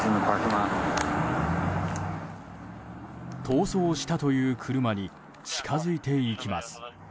逃走したという車に近づいていきます。